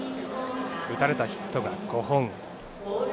打たれたヒットが５本。